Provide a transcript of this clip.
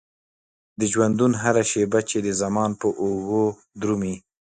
د ژوندون هره شيبه چې د زمان پر اوږو درومي.